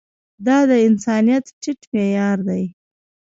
دا د انسانيت ټيټ معيار دی.